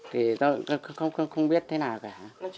thì tôi không biết thế nào cả